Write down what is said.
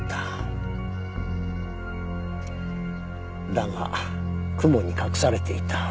だが雲に隠されていた。